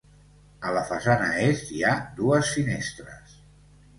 A la façana est, hi ha dues finestres.